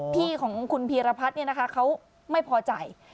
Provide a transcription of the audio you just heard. พี่ของคุณพีรพัฒน์เนี่ยนะคะเขาไม่พอใจ